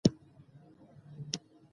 احمدشاه بابا د ولس د خوشحالیلپاره کار کاوه.